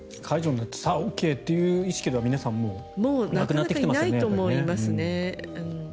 解除になってさあ、ＯＫという意識では皆さん、もうなくなってきてますもんね。